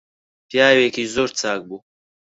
پیاوێکی زۆر چاک بوو